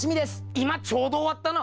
今ちょうど終わったな！